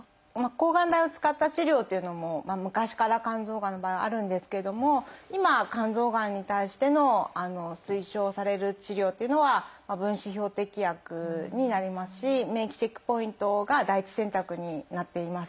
抗がん剤を使った治療というのも昔から肝臓がんの場合はあるんですけれども今は肝臓がんに対しての推奨される治療というのは分子標的薬になりますし免疫チェックポイントが第一選択になっています。